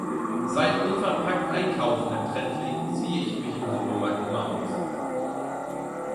Seit unverpackt einkaufen im Trend liegt, ziehe ich mich im Supermarkt immer aus.